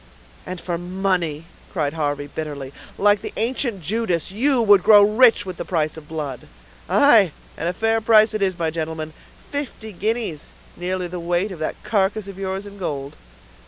"And for money," cried Harvey, bitterly. "Like the ancient Judas, you would grow rich with the price of blood!" "Aye, and a fair price it is, my gentleman; fifty guineas; nearly the weight of that carcass of yours in gold."